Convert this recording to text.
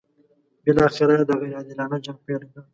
بالاخره یې دا غیر عادلانه جنګ پیل کړ.